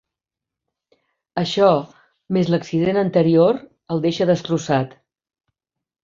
Això, més l'accident anterior, el deixa destrossat.